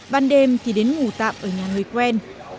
ban đêm thì đến ngủ tạm ở nhà người quen